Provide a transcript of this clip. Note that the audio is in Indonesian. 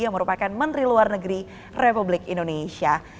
yang merupakan menteri luar negeri republik indonesia